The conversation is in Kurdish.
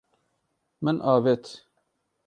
Min avêt.